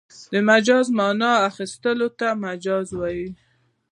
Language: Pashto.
مجازي مانا اخستلو ته مجاز وايي.